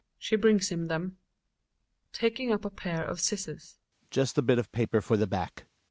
{She brings him them.) Hjalmar {taking up a pair of scissors). Just a bit of paper for the back.